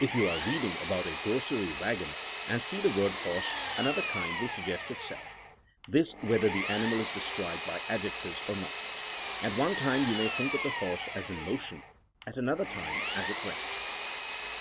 If you are reading about a grocery wagon and see the word ''horse another kind will suggest itself. This whether the animal is described by adjectives or not. At one time you may think of the horse as in motion, at another time as at rest.